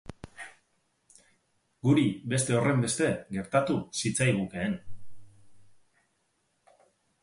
Guri beste horrenbeste gertatuko zitzaigukeen.